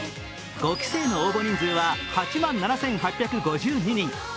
５期生の応募人数は８万７８５２人。